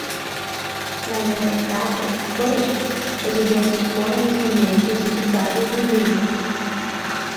mais acertado, porém, é dizer que foram os remédios indicados nos livros.